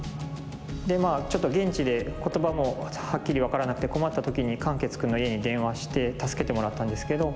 でまあちょっと現地で言葉もはっきり分からなくて困った時に漢傑くんの家に電話して助けてもらったんですけど。